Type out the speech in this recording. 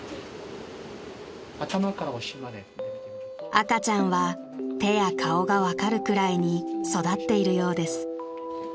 ［赤ちゃんは手や顔が分かるくらいに育っているようです］